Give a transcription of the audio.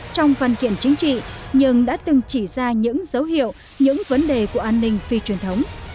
trong văn kiện chính trị nhưng đã từng chỉ ra những dấu hiệu những vấn đề của an ninh phi truyền thống